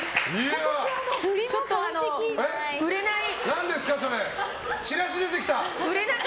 ちょっと売れない。